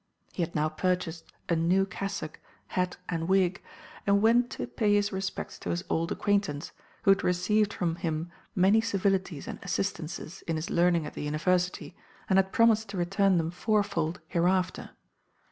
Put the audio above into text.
He had now purchased a new cassock, hat, and wig, and went to pay his respects to his old acquaintance, who had received from him many civilities and assistances in his learning at the university, and had promised to return them fourfold hereafter.